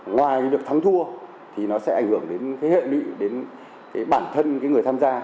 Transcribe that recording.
ngoài việc thắng thua thì nó sẽ ảnh hưởng đến hệ lụy đến bản thân người tham gia